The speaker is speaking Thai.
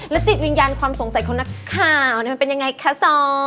จิตวิญญาณความสงสัยของนักข่าวมันเป็นยังไงคะซอ